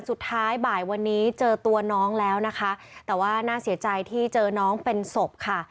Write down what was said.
สุดท้ายบ่ายวันนี้เจอตัวน้องแล้วนะคะแต่ว่าน่าเสียใจที่เจอน้องเป็นศพค่ะ